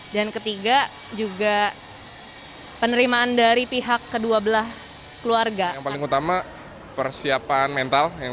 dan ketiga juga penerimaan dari pihak kedua belah keluarga yang paling utama persiapan mental yang